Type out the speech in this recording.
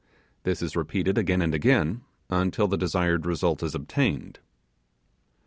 This is repeated again and again, until the desired result is obtained.